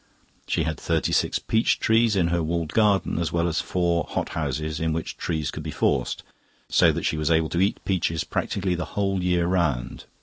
She had thirty six peach trees in her walled garden, as well as four hot houses in which trees could be forced, so that she was able to eat peaches practically the whole year round.